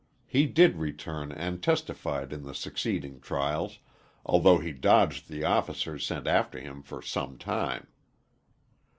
He did return and testified in the succeeding trials, although he dodged the officers sent after him for some time.